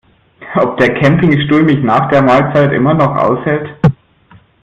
Ob der Campingstuhl mich nach der Mahlzeit immer noch aushält?